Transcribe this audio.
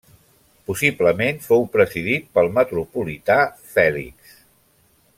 Possiblement fou presidit pel metropolità Fèlix.